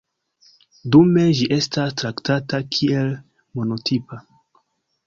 Dume ĝi estas traktata kiel monotipa.